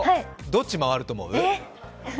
どっち回ると思う？